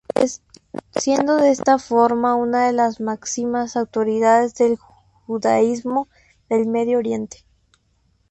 Siendo de esta forma una de las máximas autoridades del judaísmo del Medio Oriente.